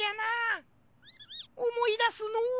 おもいだすのう。